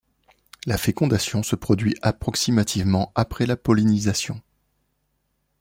La fécondation se produit approximativement après la pollinisation.